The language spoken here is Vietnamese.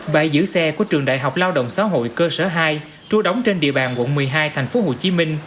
bãi giữ xe của trường đại học lao động xã hội cơ sở hai trua đóng trên địa bàn quận một mươi hai tp hcm